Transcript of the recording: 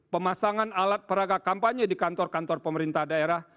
pemasangan alat peraga kampanye di kantor kantor pemerintah daerah